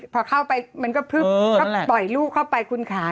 พอเข้าไปมันก็พลึบก็ปล่อยลูกเข้าไปคุณค่ะ